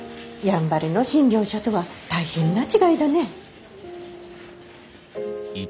やんばるの診療所とは大変な違いだね。